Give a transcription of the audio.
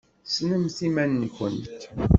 Ssnemt iman-nkent!